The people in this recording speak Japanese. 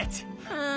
うん。